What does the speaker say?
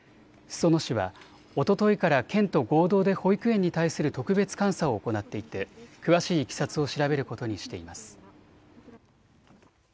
裾野市はおとといから県と合同で保育園に対する特別監査を行っていて詳しいいきさつを調べることにしています。